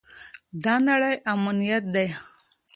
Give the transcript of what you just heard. دا نړۍ امانت ده.